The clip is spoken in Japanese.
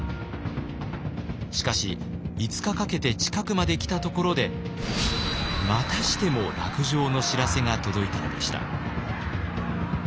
しかし５日かけて近くまで来たところでまたしても落城の知らせが届いたのでした。